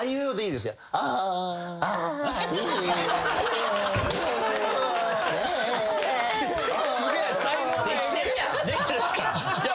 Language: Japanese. できてるっすか？